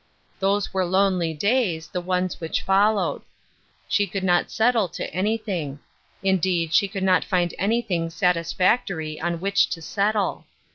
Those were lonely days, the ones which followed She could not settle to anything ; indeed she could not find anything satisfactory on which to settle.